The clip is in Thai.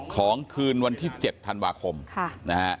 คืนวันที่๗ธันวาคมนะฮะ